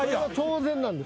当然なんです。